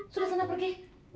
sudah sana pergi